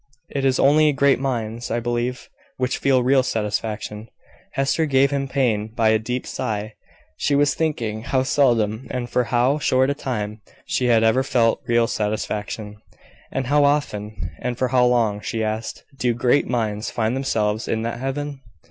It is only great minds, I believe, which feel real satisfaction." Hester gave him pain by a deep sigh. She was thinking how seldom, and for how short a time, she had ever felt real satisfaction. "And how often, and for how long," she asked, "do great minds find themselves in that heaven?"